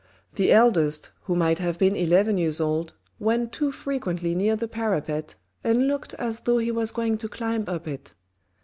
The eldest, who might have been eleven years old, went too frequently near the parapet and looked as though he was going to climb up it.